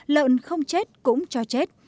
lợn không chết cũng cho chết